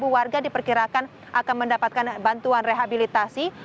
tujuh puluh tiga warga diperkirakan akan mendapatkan bantuan rehabilitasi